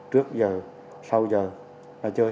trước giờ sau giờ là chơi